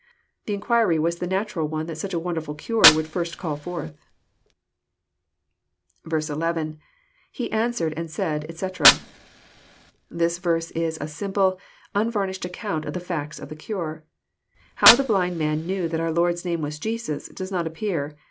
The inquiry was the natural one that such a wonderful cure would first call forth. 11.— [^0 answered and said, etc.] This verse is a simple, unvar nished account of the facts of the cure. How the blind man knew that our Lord's name was "Jesus," does not appear.